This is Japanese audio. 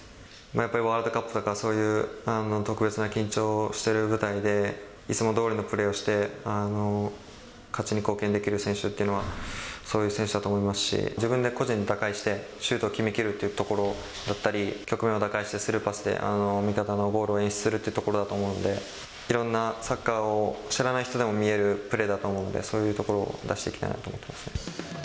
やっぱりワールドカップとか、そういう特別な緊張している舞台で、いつもどおりのプレーをして、勝ちに貢献できる選手っていうのは、そういう選手だと思いますし、自分で個人で打開して、シュートを決め切るっていうところだったり、局面を打開してスルーパスで味方のゴールを演出するってところだと思うので、いろんなサッカーを知らない人でも見れるプレーだと思うんで、そういうところを出していきたいなと思ってますね。